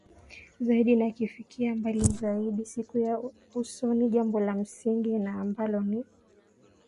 zaidi na akifika mbali zaidi siku za usoni Jambo la msingi na ambalo ni